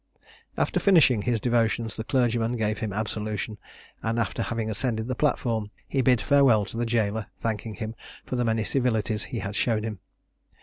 After finishing his devotions, the clergyman gave him absolution; and having ascended the platform, he bid farewell to the jailor, thanking him for the many civilities he had shown him.